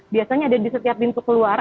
biasanya ada di setiap pintu keluar